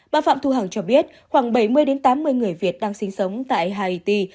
bà phạm thu hằng cho biết khoảng bảy mươi tám mươi người việt đang sinh sống tại harity